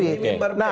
ini imbar bebas